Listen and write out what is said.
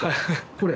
これ？